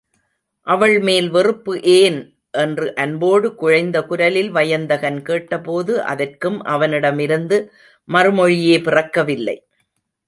அவள் மேல் வெறுப்பு ஏன்? என்று அன்போடு குழைந்த குரலில் வயந்தகன் கேட்டபோது, அதற்கும் அவனிடமிருந்து மறுமொழியே பிறக்கவில்லை.